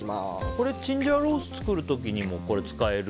これ、チンジャオロース作る時にも使える？